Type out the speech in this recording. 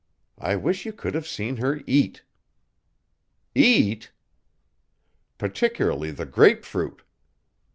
I wish you could have seen her eat." "Eat?" "Particularly the grapefruit.